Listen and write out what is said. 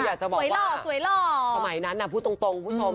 ก็อยากจะบอกว่าประมาณนั้นน่ะพูดตรงผู้ชม